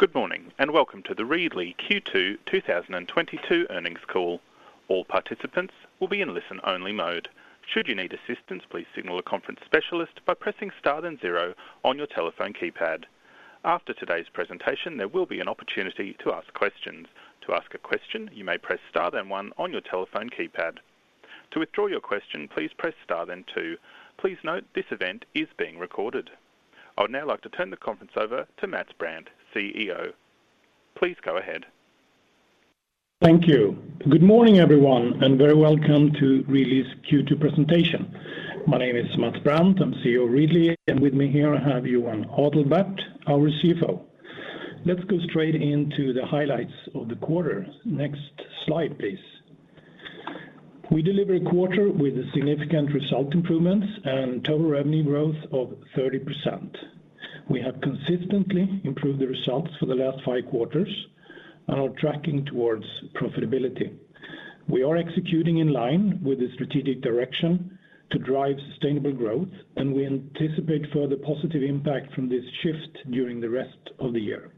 Good morning, and welcome to the Readly Q2 2022 Earnings Call. All participants will be in listen-only mode. Should you need assistance, please signal a conference specialist by pressing Star then zero on your telephone keypad. After today's presentation, there will be an opportunity to ask questions. To ask a question, you may press Star then one on your telephone keypad. To withdraw your question, please press Star then two. Please note this event is being recorded. I would now like to turn the conference over to Mats Brandt, CEO. Please go ahead. Thank you. Good morning, everyone, and very welcome to Readly's Q2 presentation. My name is Mats Brandt. I'm CEO of Readly, and with me here, I have Johan Adalberth, our CFO. Let's go straight into the highlights of the quarter. Next slide, please. We deliver a quarter with significant result improvements and total revenue growth of 30%. We have consistently improved the results for the last five quarters and are tracking towards profitability. We are executing in line with the strategic direction to drive sustainable growth, and we anticipate further positive impact from this shift during the rest of the year.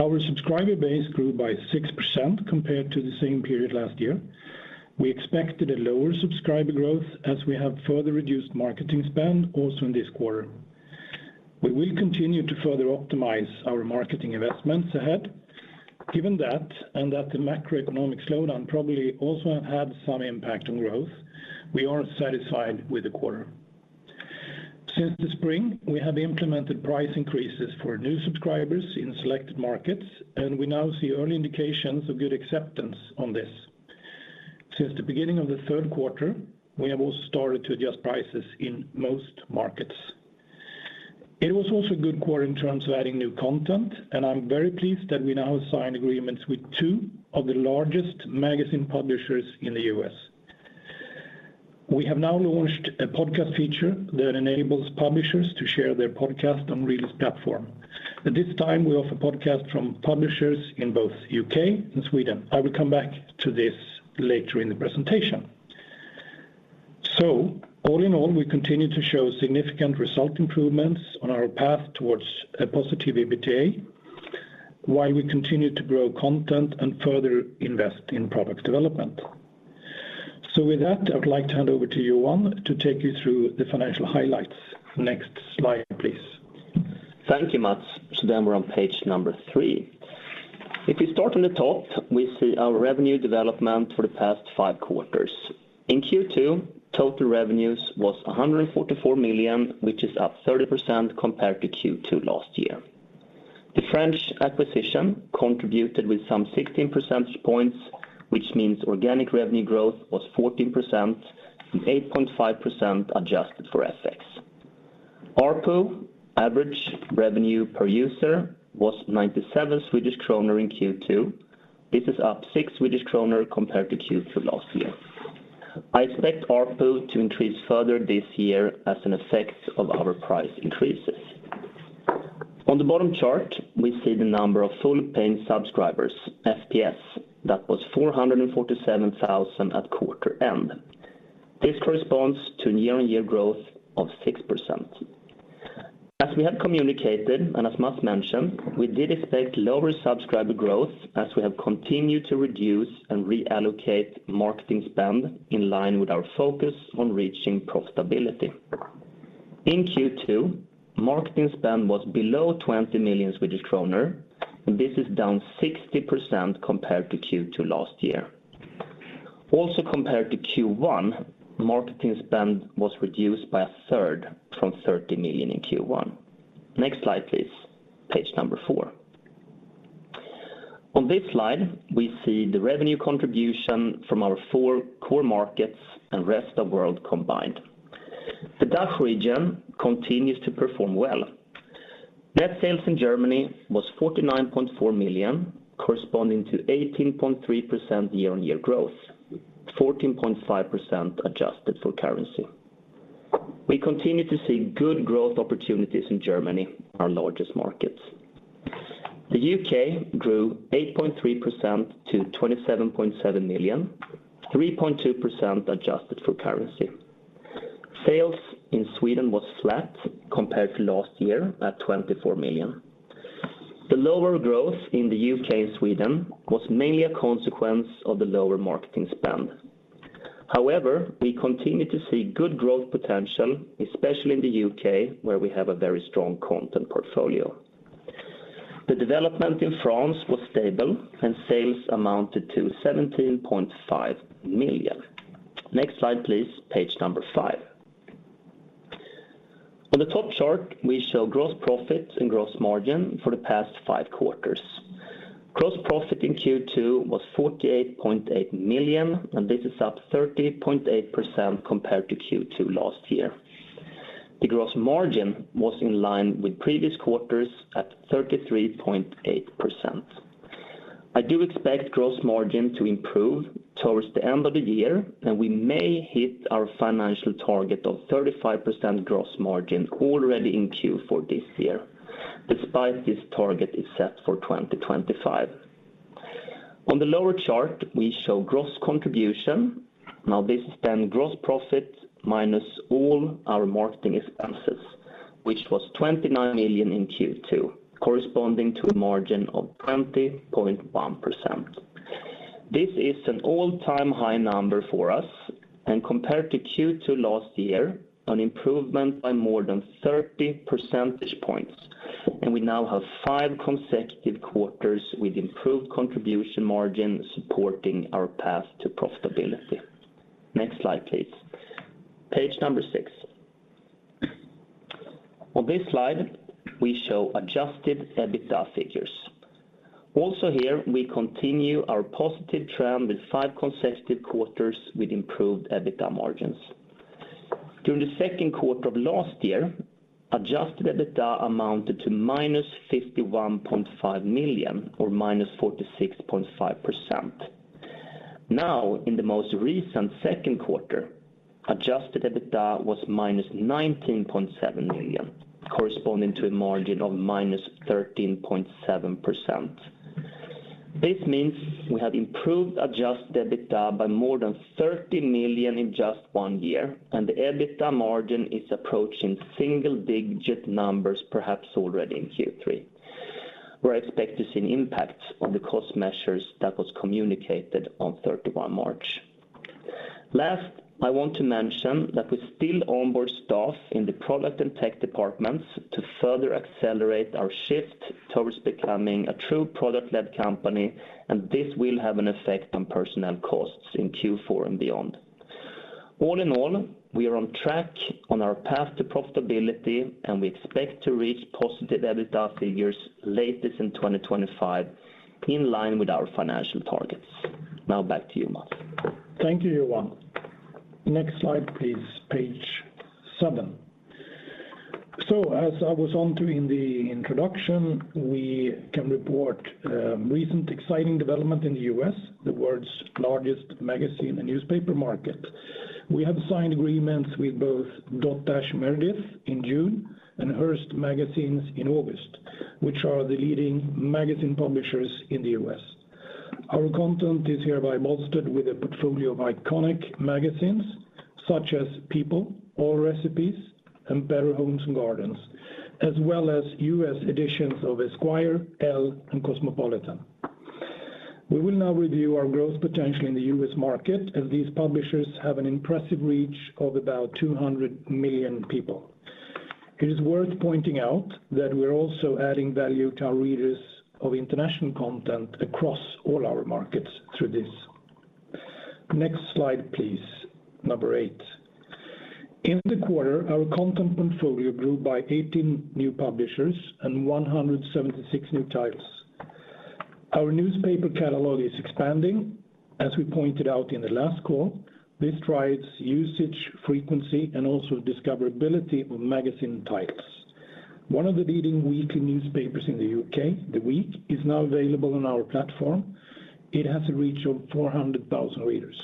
Our subscriber base grew by 6% compared to the same period last year. We expected a lower subscriber growth as we have further reduced marketing spend also in this quarter. We will continue to further optimize our marketing investments ahead. Given that, and that the macroeconomic slowdown probably also had some impact on growth, we are satisfied with the quarter. Since the spring, we have implemented price increases for new subscribers in selected markets, and we now see early indications of good acceptance on this. Since the beginning of the Q3, we have all started to adjust prices in most markets. It was also a good quarter in terms of adding new content, and I'm very pleased that we now sign agreements with two of the largest magazine publishers in the U.S. We have now launched a podcast feature that enables publishers to share their podcast on Readly's platform. At this time, we offer podcasts from publishers in both U.K. and Sweden. I will come back to this later in the presentation. All in all, we continue to show significant result improvements on our path towards a positive EBITDA, while we continue to grow content and further invest in product development. With that, I would like to hand over to Johan to take you through the financial highlights. Next slide, please. Thank you, Mats. We're on page number three. If you start on the top, we see our revenue development for the past five quarters. In Q2, total revenues was 144 million, which is up 30% compared to Q2 last year. The French acquisition contributed with some 16 percentage points, which means organic revenue growth was 14% and 8.5% adjusted for FX. ARPU, Average Revenue Per User, was 97 Swedish kronor in Q2. This is up SEK six compared to Q2 last year. I expect ARPU to increase further this year as an effect of our price increases. On the bottom chart, we see the number of fully paying subscribers, FPS. That was 447,000 at quarter end. This corresponds to a year-on-year growth of 6%. As we have communicated, and as Mats mentioned, we did expect lower subscriber growth as we have continued to reduce and reallocate marketing spend in line with our focus on reaching profitability. In Q2, marketing spend was below 20 million Swedish kronor, and this is down 60% compared to Q2 last year. Also compared to Q1, marketing spend was reduced by a third from 30 million in Q1. Next slide, please. Page number four. On this slide, we see the revenue contribution from our four core markets and rest of world combined. The DACH region continues to perform well. Net sales in Germany was 49.4 million, corresponding to 18.3% year-on-year growth, 14.5% adjusted for currency. We continue to see good growth opportunities in Germany, our largest market. The U.K. grew 8.3% to 27.7 million, 3.2% adjusted for currency. Sales in Sweden was flat compared to last year at 24 million. The lower growth in the U.K. and Sweden was mainly a consequence of the lower marketing spend. However, we continue to see good growth potential, especially in the U.K., where we have a very strong content portfolio. The development in France was stable and sales amounted to 17.5 million. Next slide, please. Page number five. On the top chart, we show gross profit and gross margin for the past five quarters. Gross profit in Q2 was 48.8 million, and this is up 30.8% compared to Q2 last year. The gross margin was in line with previous quarters at 33.8%. I do expect gross margin to improve towards the end of the year, and we may hit our financial target of 35% gross margin already in Q4 this year, despite this target is set for 2025. On the lower chart, we show gross contribution. Now this is then gross profit minus all our marketing expenses, which was 29 million in Q2, corresponding to a margin of 20.1%. This is an all-time high number for us and compared to Q2 last year, an improvement by more than 30 percentage points. We now have 5 consecutive quarters with improved contribution margin supporting our path to profitability. Next slide, please. Page number six. On this slide, we show adjusted EBITDA figures. Also here, we continue our positive trend with five consecutive quarters with improved EBITDA margins. During the Q2 of last year, adjusted EBITDA amounted to -51.5 million or -46.5%. Now, in the most recent Q2, adjusted EBITDA was -19.7 million, corresponding to a margin of -13.7%. This means we have improved adjusted EBITDA by more than 30 million in just one year, and the EBITDA margin is approaching single-digit numbers perhaps already in Q3, where I expect to see an impact on the cost measures that was communicated on 31 March. Last, I want to mention that we still onboard staff in the product and tech departments to further accelerate our shift towards becoming a true product-led company, and this will have an effect on personnel costs in Q4 and beyond. All in all, we are on track on our path to profitability, and we expect to reach positive EBITDA figures latest in 2025, in line with our financial targets. Now back to you, Mats. Thank you, Johan. Next slide, please. Page seven. As I alluded to in the introduction, we can report recent exciting development in the U.S., the world's largest magazine and newspaper market. We have signed agreements with both Dotdash Meredith in June and Hearst Magazines in August, which are the leading magazine publishers in the U.S. Our content is hereby bolstered with a portfolio of iconic magazines such as People, Allrecipes, and Better Homes & Gardens, as well as U.S. editions of Esquire, Elle, and Cosmopolitan. We will now review our growth potential in the U.S. market as these publishers have an impressive reach of about 200 million people. It is worth pointing out that we're also adding value to our readers of international content across all our markets through this. Next slide, please. Number eight. In the quarter, our content portfolio grew by 18 new publishers and 176 new titles. Our newspaper catalog is expanding, as we pointed out in the last call. This drives usage, frequency, and also discoverability of magazine titles. One of the leading weekly newspapers in the U.K., The Week, is now available on our platform. It has a reach of 400,000 readers.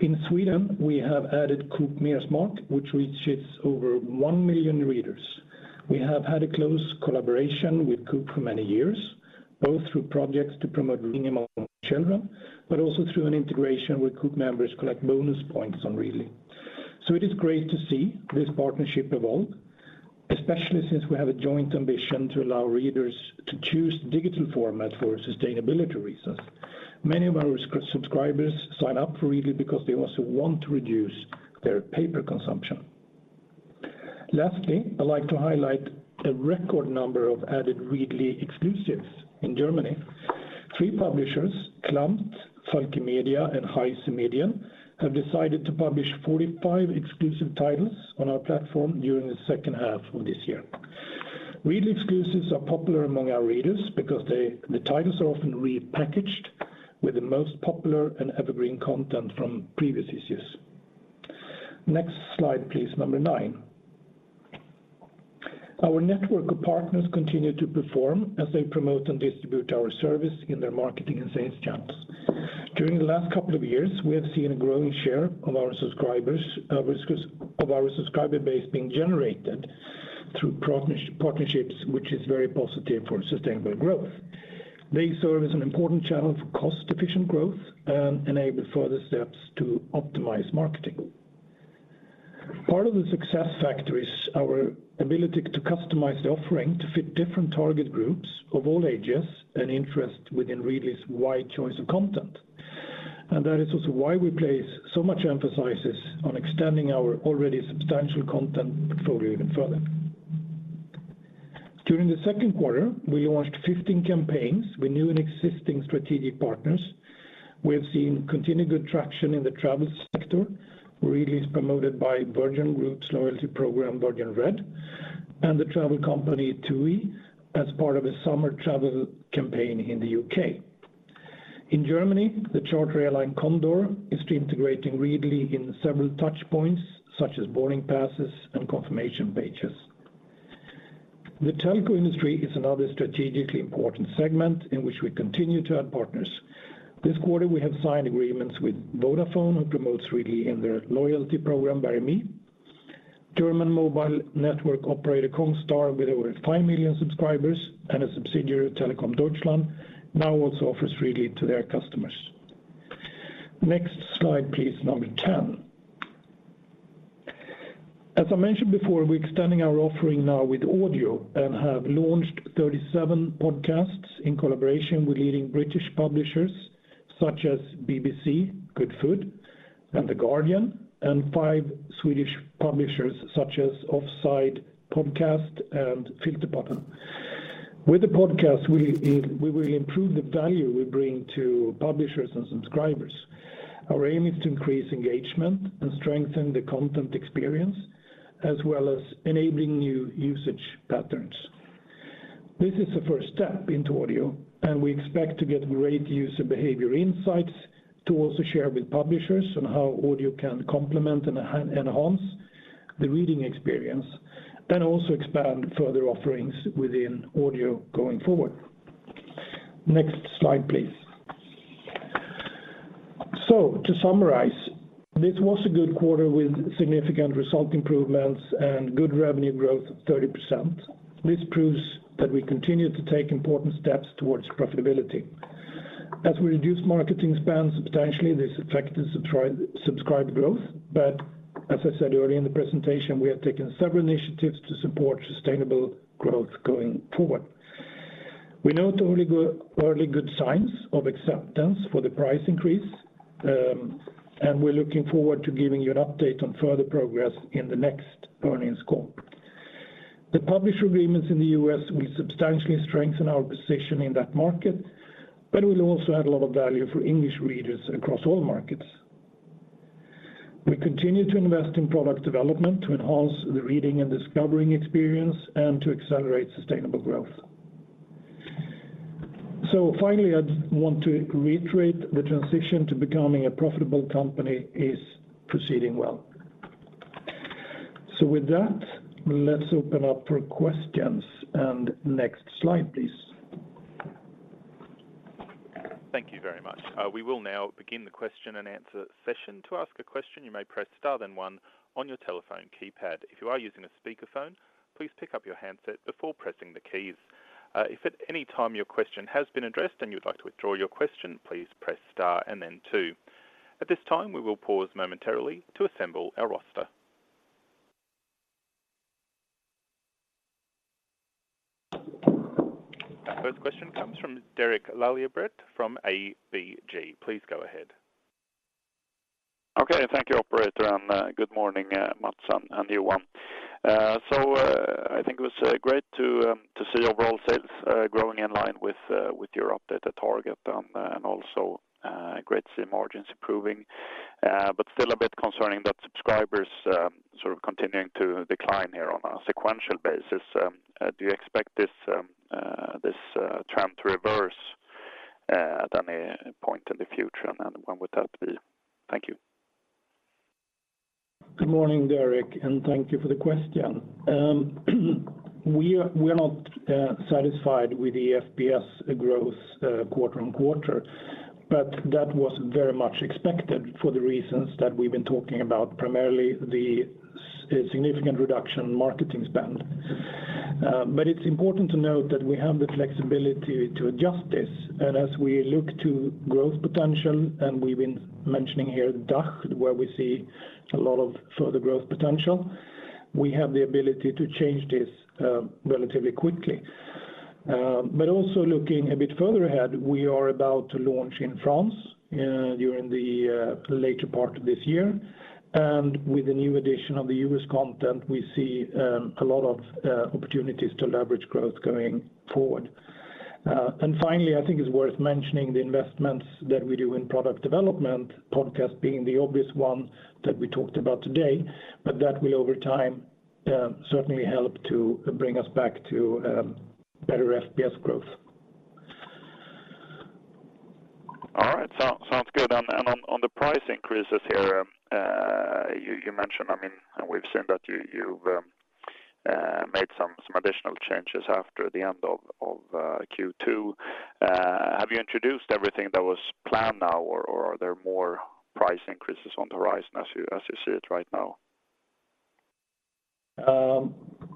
In Sweden, we have added Coop Mer Smak, which reaches over one million readers. We have had a close collaboration with Coop for many years, both through projects to promote reading among children, but also through an integration where Coop members collect bonus points on Readly. It is great to see this partnership evolve, especially since we have a joint ambition to allow readers to choose digital format for sustainability reasons. Many of our subscribers sign up for Readly because they also want to reduce their paper consumption. Lastly, I'd like to highlight a record number of added Readly Exclusives in Germany. Three publishers, Klambt, Funke Mediengruppe, and Heise Medien, have decided to publish 45 exclusive titles on our platform during the H2 of this year. Readly Exclusives are popular among our readers because they, the titles are often repackaged with the most popular and evergreen content from previous issues. Next slide, please. Number nine. Our network of partners continue to perform as they promote and distribute our service in their marketing and sales channels. During the last couple of years, we have seen a growing share of our subscriber base being generated through partnerships, which is very positive for sustainable growth. They serve as an important channel for cost-efficient growth and enable further steps to optimize marketing. Part of the success factor is our ability to customize the offering to fit different target groups of all ages and interest within Readly's wide choice of content. That is also why we place so much emphasis on extending our already substantial content portfolio even further. During the Q2, we launched 15 campaigns with new and existing strategic partners. We have seen continued good traction in the travel sector. Readly is promoted by Virgin Group's loyalty program, Virgin Red, and the travel company TUI, as part of a summer travel campaign in the U.K. In Germany, the charter airline Condor is integrating Readly in several touchpoints, such as boarding passes and confirmation pages. The telco industry is another strategically important segment in which we continue to add partners. This quarter, we have signed agreements with Vodafone, who promotes Readly in their loyalty program, VeryMe. German mobile network operator congstar with over five million subscribers and a subsidiary of Telekom Deutschland now also offers Readly to their customers. Next slide, please, number ten. As I mentioned before, we're extending our offering now with audio and have launched 37 podcasts in collaboration with leading British publishers such as BBC Good Food and The Guardian, and five Swedish publishers such as Offside Podcast and Filter. With the podcast, we will improve the value we bring to publishers and subscribers. Our aim is to increase engagement and strengthen the content experience, as well as enabling new usage patterns. This is the first step into audio, and we expect to get great user behavior insights to also share with publishers on how audio can complement and enhance the reading experience, and also expand further offerings within audio going forward. Next slide, please. To summarize, this was a good quarter with significant result improvements and good revenue growth of 30%. This proves that we continue to take important steps towards profitability. As we reduce marketing spend substantially, this affected subscriber growth. As I said earlier in the presentation, we have taken several initiatives to support sustainable growth going forward. We note only good early signs of acceptance for the price increase, and we're looking forward to giving you an update on further progress in the next earnings call. The publisher agreements in the U.S. will substantially strengthen our position in that market, but it will also add a lot of value for English readers across all markets. We continue to invest in product development to enhance the reading and discovering experience and to accelerate sustainable growth. Finally, I want to reiterate the transition to becoming a profitable company is proceeding well. With that, let's open up for questions. Next slide, please. Thank you very much. We will now begin the question-and-answer session. To ask a question, you may press star then one on your telephone keypad. If you are using a speakerphone, please pick up your handset before pressing the keys. If at any time your question has been addressed and you'd like to withdraw your question, please press star and then two. At this time, we will pause momentarily to assemble our roster. Our first question comes from Derek Laliberté from ABG. Please go ahead. Okay. Thank you, operator, and good morning, Mats and Johan. I think it was great to see overall sales growing in line with your updated target, and also great to see margins improving. Still a bit concerning that subscribers sort of continuing to decline here on a sequential basis. Do you expect this trend to reverse at any point in the future? When would that be? Thank you. Good morning, Derek, and thank you for the question. We're not satisfied with the FPS growth quarter-on-quarter, but that was very much expected for the reasons that we've been talking about, primarily the significant reduction in marketing spend. It's important to note that we have the flexibility to adjust this. As we look to growth potential, and we've been mentioning here DACH, where we see a lot of further growth potential, we have the ability to change this relatively quickly. Also looking a bit further ahead, we are about to launch in France during the later part of this year. With the new addition of the U.S. content, we see a lot of opportunities to leverage growth going forward. Finally, I think it's worth mentioning the investments that we do in product development, podcast being the obvious one that we talked about today, but that will over time certainly help to bring us back to better FPS growth. All right. Sounds good. On the price increases here, you mentioned, I mean, we've seen that you've made some additional changes after the end of Q2. Have you introduced everything that was planned now or are there more price increases on the horizon as you see it right now?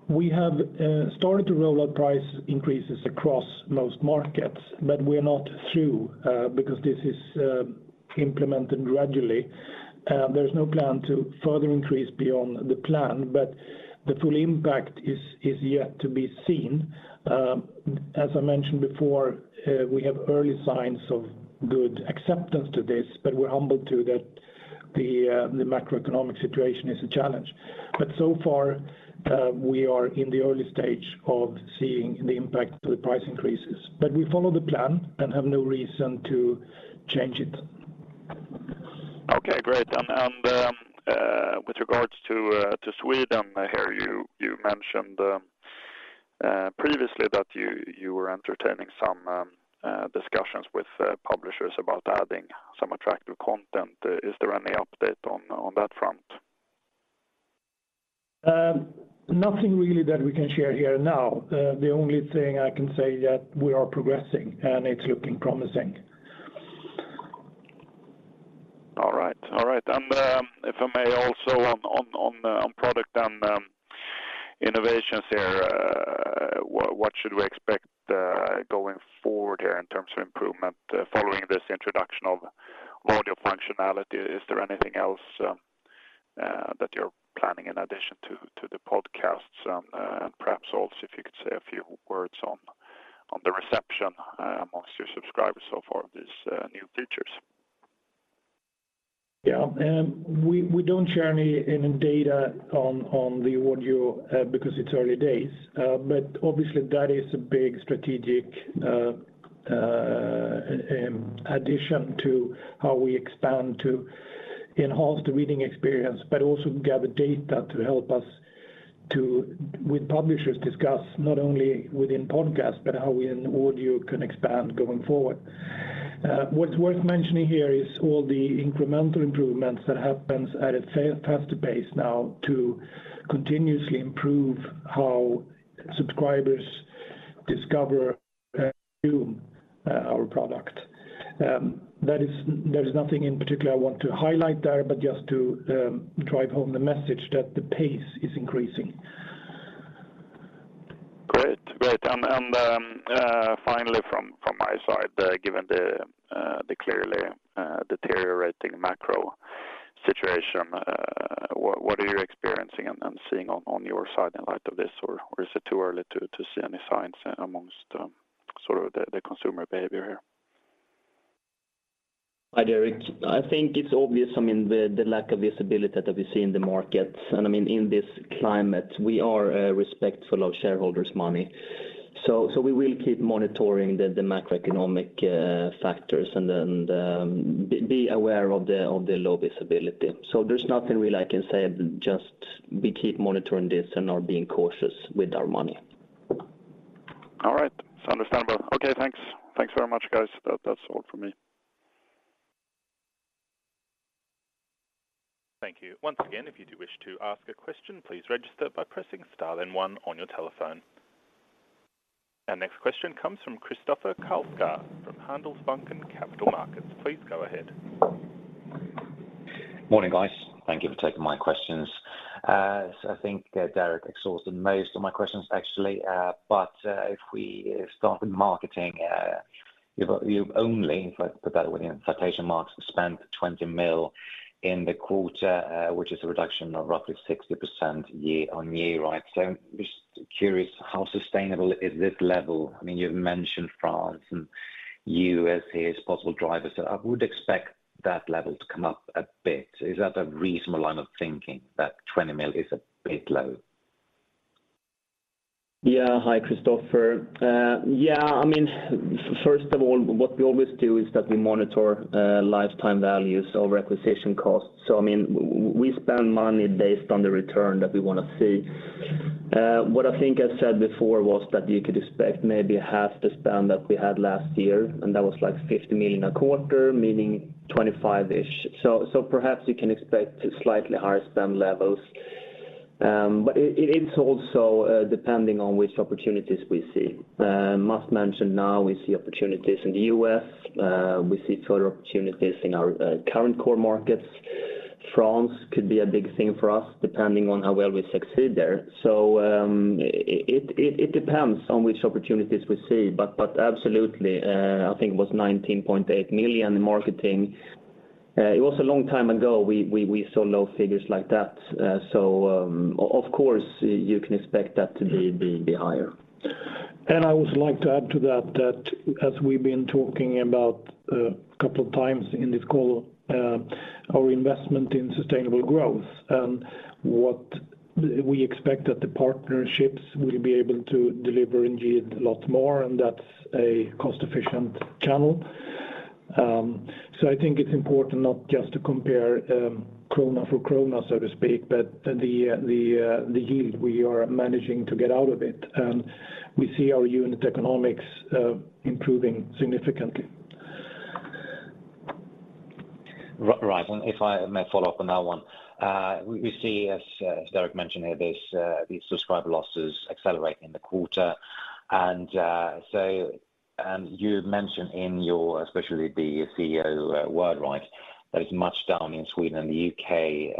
We have started to roll out price increases across most markets, but we're not through, because this is implemented gradually. There's no plan to further increase beyond the plan, but the full impact is yet to be seen. As I mentioned before, we have early signs of good acceptance to this, but we're humbled too that the macroeconomic situation is a challenge. So far, we are in the early stage of seeing the impact of the price increases. We follow the plan and have no reason to change it. Okay, great. With regards to Sweden, I hear you. You mentioned previously that you were entertaining some discussions with publishers about adding some attractive content. Is there any update on that front? Nothing really that we can share here now. The only thing I can say that we are progressing, and it's looking promising. All right. If I may also on product and innovations here, what should we expect going forward here in terms of improvement following this introduction of audio functionality? Is there anything else that you're planning in addition to the podcasts? Perhaps also if you could say a few words on the reception amongst your subscribers so far of these new features. Yeah. We don't share any data on the audio because it's early days. Obviously that is a big strategic addition to how we expand to enhance the reading experience, but also gather data to help us with publishers discuss not only within podcasts, but how we in audio can expand going forward. What's worth mentioning here is all the incremental improvements that happens at a faster pace now to continuously improve how subscribers discover and consume our product. That is, there's nothing in particular I want to highlight there, but just to drive home the message that the pace is increasing. Great. Finally from my side, given the clearly deteriorating macro situation, what are you experiencing and seeing on your side in light of this? Or is it too early to see any signs among sort of the consumer behavior here? Hi, Derek. I think it's obvious, I mean, the lack of visibility that we see in the market. I mean, in this climate, we are respectful of shareholders' money. We will keep monitoring the macroeconomic factors and then be aware of the low visibility. There's nothing really I can say, but just we keep monitoring this and are being cautious with our money. All right. It's understandable. Okay, thanks. Thanks very much, guys. That, that's all for me. Thank you. Once again, if you do wish to ask a question, please register by pressing star then one on your telephone. Our next question comes from Christopher Kalskar from Handelsbanken Capital Markets. Please go ahead. Morning, guys. Thank you for taking my questions. I think that Derek exhausted most of my questions actually. If we start with marketing, you've only, if I put that within quotation marks, spent 20 million in the quarter, which is a reduction of roughly 60% year-over-year, right? Just curious, how sustainable is this level? I mean, you've mentioned France and U.S. here as possible drivers. I would expect that level to come up a bit. Is that a reasonable line of thinking that 20 million is a bit low? Hi, Christopher. I mean, first of all, what we always do is that we monitor lifetime values over acquisition costs. I mean, we spend money based on the return that we wanna see. What I think I said before was that you could expect maybe half the spend that we had last year, and that was like 50 million a quarter, meaning 25-ish. Perhaps you can expect slightly higher spend levels. It is also depending on which opportunities we see. I must mention now we see opportunities in the US. We see further opportunities in our current core markets. France could be a big thing for us, depending on how well we succeed there. It depends on which opportunities we see. Absolutely, I think it was 19.8 million in marketing. It was a long time ago, we saw low figures like that. Of course, you can expect that to be higher. I would like to add to that as we've been talking about a couple of times in this call, our investment in sustainable growth and what we expect that the partnerships will be able to deliver indeed a lot more, and that's a cost-efficient channel. I think it's important not just to compare krona for krona, so to speak, but the yield we are managing to get out of it. We see our unit economics improving significantly. Right. If I may follow up on that one. We see, as Derek mentioned here, these subscriber losses accelerating this quarter. You mentioned in your, especially the CEO's words, right, that it's much down in Sweden and the U.K.,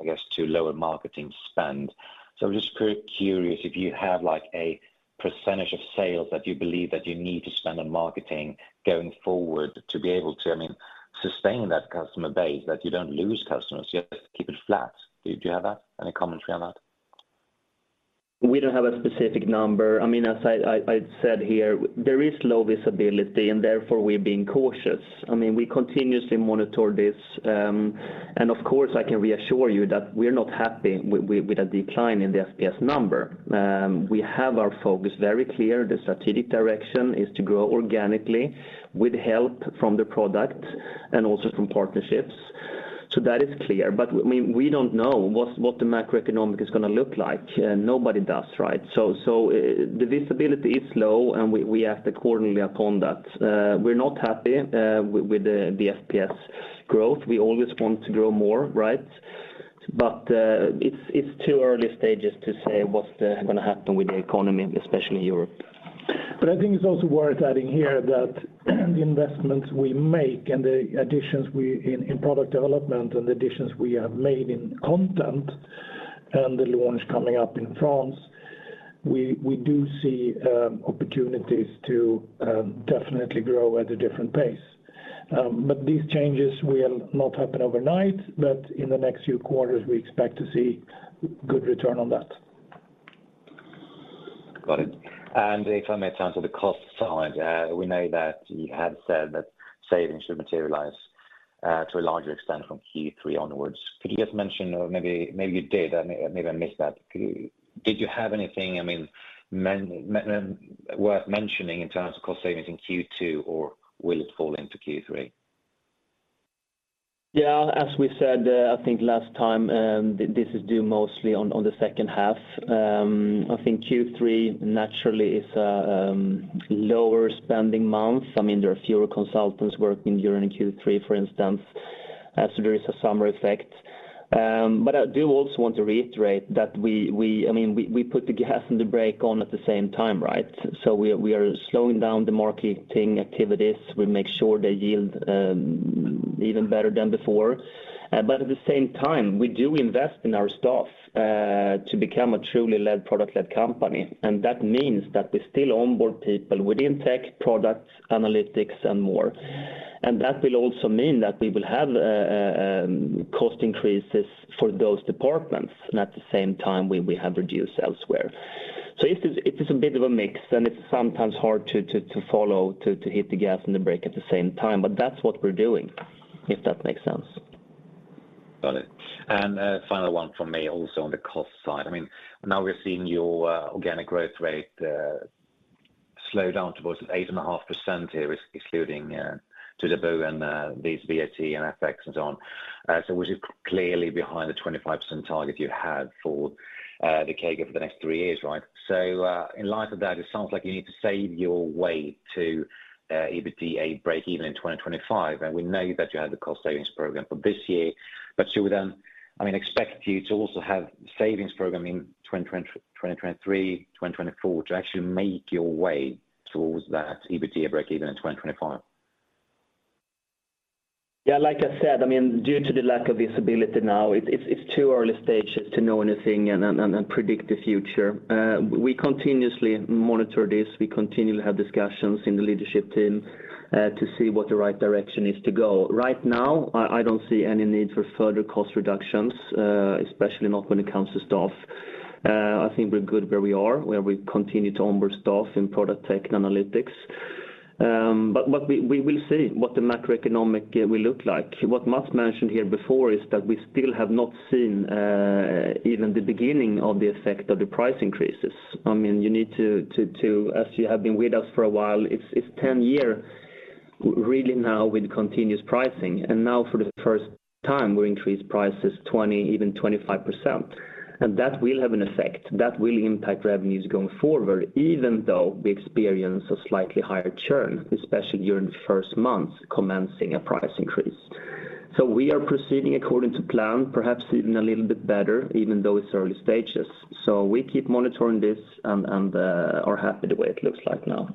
I guess due to lower marketing spend. I'm just curious if you have, like, a percentage of sales that you believe that you need to spend on marketing going forward to be able to, I mean, sustain that customer base, that you don't lose customers, you have to keep it flat. Do you have that? Any commentary on that? We don't have a specific number. I mean, as I said here, there is low visibility, and therefore we're being cautious. I mean, we continuously monitor this, and of course, I can reassure you that we're not happy with a decline in the FPS number. We have our focus very clear. The strategic direction is to grow organically with help from the product and also from partnerships. That is clear. I mean, we don't know what the macroeconomic is gonna look like, nobody does, right? The visibility is low, and we act accordingly upon that. We're not happy with the FPS growth. We always want to grow more, right? It's too early stages to say what's gonna happen with the economy, especially Europe. I think it's also worth adding here that the investments we make and the additions we in product development and the additions we have made in content and the launch coming up in France, we do see opportunities to definitely grow at a different pace. These changes will not happen overnight, but in the next few quarters, we expect to see good return on that. Got it. If I may turn to the cost side, we know that you had said that savings should materialize to a larger extent from Q3 onwards. Could you just mention or maybe you did, maybe I missed that. Did you have anything, I mean, worth mentioning in terms of cost savings in Q2 or will it fall into Q3? Yeah. As we said, I think last time, this is due mostly to the H2. I think Q3 naturally is lower spending month. I mean, there are fewer consultants working during Q3, for instance, as there is a summer effect. But I do also want to reiterate that, I mean, we put the gas and the brake on at the same time, right? We are slowing down the marketing activities. We make sure they yield even better than before. But at the same time, we do invest in our staff to become a truly product-led company. That means that we still onboard people within tech products, analytics, and more. That will also mean that we will have cost increases for those departments, and at the same time, we have reduced elsewhere. It is a bit of a mix, and it's sometimes hard to follow, to hit the gas and the brake at the same time. That's what we're doing, if that makes sense. Got it. A final one from me also on the cost side. I mean, now we're seeing your organic growth rate slow down towards 8.5% here, excluding the BOE and these VAT and FX and so on. Which is clearly behind the 25% target you had for the CAGR for the next three years, right? In light of that, it sounds like you need to save your way to EBITDA breakeven in 2025. We know that you had the cost savings program for this year. Should we then, I mean, expect you to also have savings program in 2023, 2024 to actually make your way towards that EBITDA breakeven in 2025? Yeah, like I said, I mean, due to the lack of visibility now, it's too early stages to know anything and predict the future. We continuously monitor this. We continually have discussions in the leadership team to see what the right direction is to go. Right now, I don't see any need for further cost reductions, especially not when it comes to staff. I think we're good where we are, where we continue to onboard staff in product tech and analytics. But we will see what the macroeconomic will look like. What Mats mentioned here before is that we still have not seen even the beginning of the effect of the price increases. I mean, as you have been with us for a while, it's ten years really now with continuous pricing. Now for the first time, we increased prices 20, even 25%. That will have an effect. That will impact revenues going forward, even though we experience a slightly higher churn, especially during the first month commencing a price increase. We are proceeding according to plan, perhaps even a little bit better, even though it's early stages. We keep monitoring this and are happy the way it looks like now.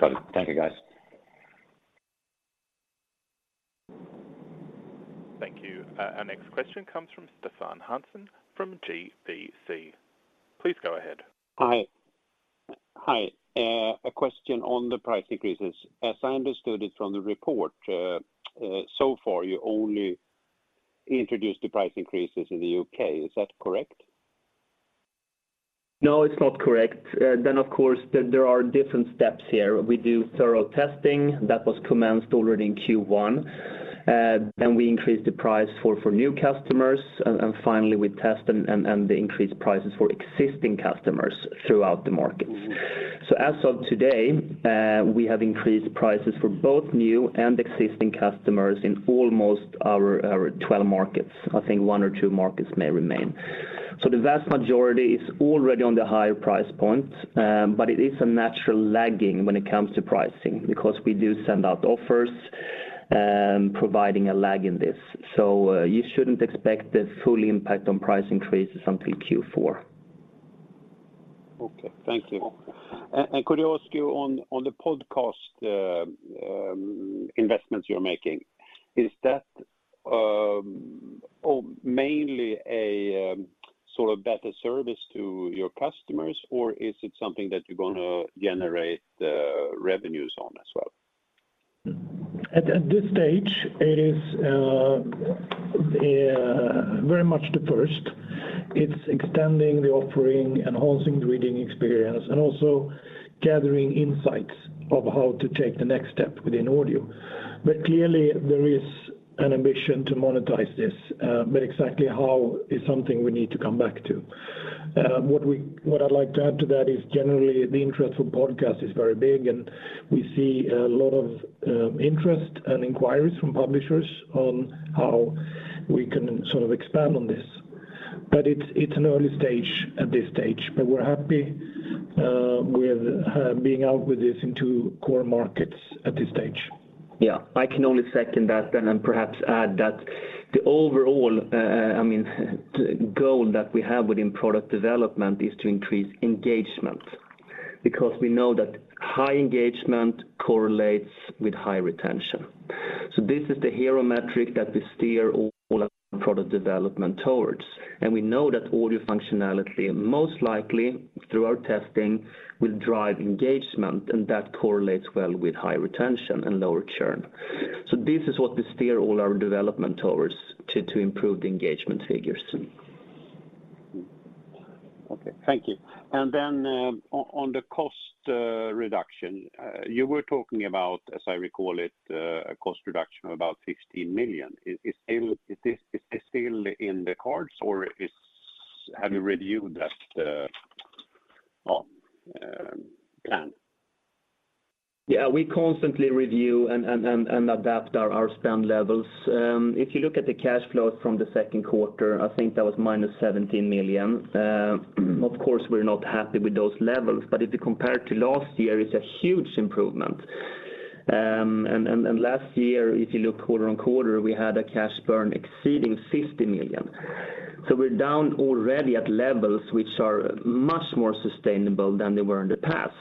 Got it. Thank you, guys. Thank you. Our next question comes from Stefan Hansen from SEB. Please go ahead. Hi. Hi. A question on the price increases. As I understood it from the report, so far, you only introduced the price increases in the U.K. Is that correct? No, it's not correct. Then, of course, there are different steps here. We do thorough testing that was commenced already in Q1. Then we increased the price for new customers, and finally, we test the increased prices for existing customers throughout the markets. As of today, we have increased prices for both new and existing customers in almost all our 12 markets. I think one or two markets may remain. The vast majority is already on the higher price point, but it is a natural lagging when it comes to pricing because we do send out offers, providing a lag in this. You shouldn't expect the full impact on price increases until Q4. Okay. Thank you. Mm-hmm. Could I ask you on the podcast investments you're making, is that or mainly a sort of better service to your customers, or is it something that you're gonna generate revenues on as well? At this stage, it is very much the first. It's extending the offering, enhancing the reading experience, and also gathering insights of how to take the next step within audio. Clearly, there is an ambition to monetize this, but exactly how is something we need to come back to. What I'd like to add to that is generally the interest for podcast is very big, and we see a lot of interest and inquiries from publishers on how we can sort of expand on this. It's an early stage at this stage. We're happy with being out with this in two core markets at this stage. Yeah. I can only second that and then perhaps add that the overall, I mean, goal that we have within product development is to increase engagement because we know that high engagement correlates with high retention. This is the hero metric that we steer all our product development towards. We know that audio functionality most likely through our testing will drive engagement, and that correlates well with high retention and lower churn. This is what we steer all our development towards to improve the engagement figures. Okay. Thank you. Then, on the cost reduction you were talking about, as I recall it, a cost reduction of about 15 million. Is this still in the cards or have you reviewed that plan? Yeah, we constantly review and adapt our spend levels. If you look at the cash flows from the Q2, I think that was -17 million. Of course, we're not happy with those levels, but if you compare it to last year, it's a huge improvement. Last year, if you look quarter-over-quarter, we had a cash burn exceeding 50 million. We're down already at levels which are much more sustainable than they were in the past.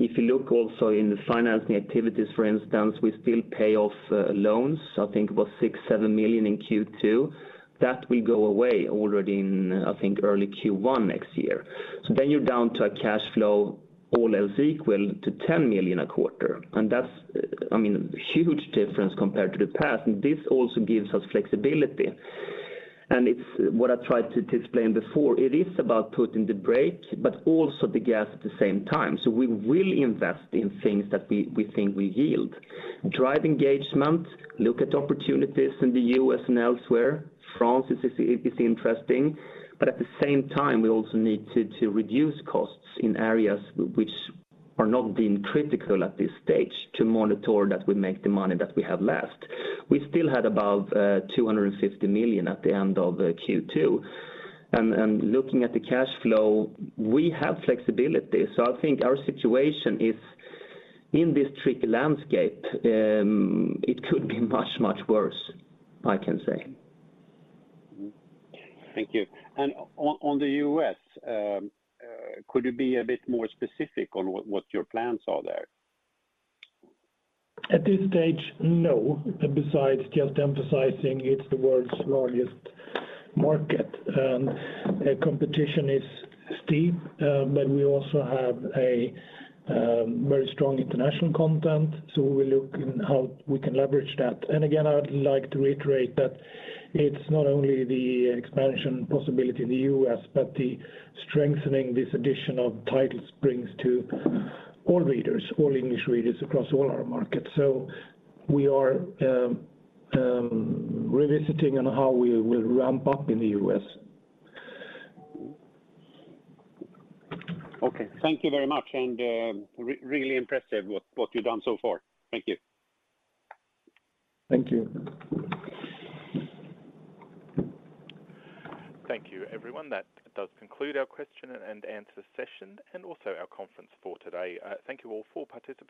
If you look also in the financing activities, for instance, we still pay off loans. I think it was 6-7 million in Q2. That will go away already in, I think, early Q1 next year. Then you're down to a cash flow all else equal to 10 million a quarter. That's, I mean, huge difference compared to the past, and this also gives us flexibility. It's what I tried to explain before, it is about putting the brake but also the gas at the same time. We will invest in things that we think will yield. Drive engagement, look at opportunities in the US and elsewhere. France is interesting. At the same time, we also need to reduce costs in areas which are not being critical at this stage to monitor that we make the money that we have left. We still had above 250 million at the end of Q2. Looking at the cash flow, we have flexibility. I think our situation is in this tricky landscape, it could be much worse, I can say. Thank you. On the U.S., could you be a bit more specific on what your plans are there? At this stage, no. Besides just emphasizing it's the world's largest market, competition is steep, but we also have a very strong international content. We look into how we can leverage that. I would like to reiterate that it's not only the expansion possibility in the U.S., but the strengthening this addition of titles brings to all readers, all English readers across all our markets. We are revisiting how we will ramp up in the U.S. Okay. Thank you very much, and really impressive what you've done so far. Thank you. Thank you. Thank you, everyone. That does conclude our question and answer session and also our conference for today. Thank you all for participating.